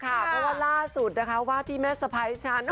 เพราะว่าล่าสุดนะคะว่าที่แม่สะพ้ายฉัน